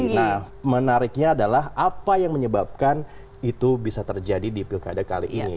nah menariknya adalah apa yang menyebabkan itu bisa terjadi di pilkada kali ini